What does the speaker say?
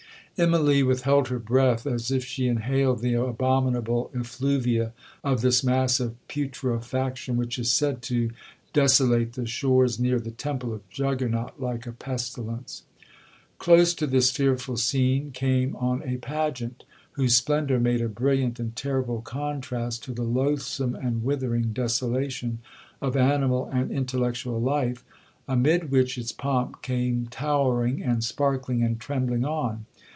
'Immalee withheld her breath, as if she inhaled the abominable effluvia of this mass of putrefaction, which is said to desolate the shores near the temple of Juggernaut, like a pestilence. 'Close to this fearful scene, came on a pageant, whose splendour made a brilliant and terrible contrast to the loathsome and withering desolation of animal and intellectual life, amid which its pomp came towering, and sparkling, and trembling on.